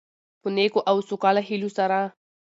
په نیکو او سوکاله هيلو سره،